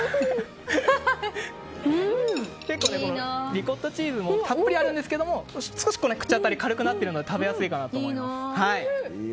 リコッタチーズもたっぷりあるんですけど少し口当たり軽くなってるので食べやすいかなと思います。